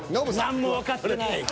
何もわかってない。